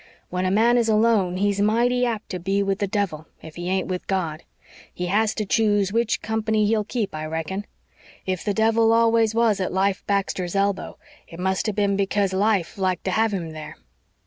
When a man is alone he's mighty apt to be with the devil if he ain't with God. He has to choose which company he'll keep, I reckon. If the devil always was at Life Baxter's elbow it must have been because Life liked to have him there."